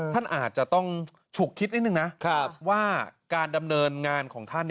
ท่านอาจจะต้องฉุกคิดนิดนึงนะ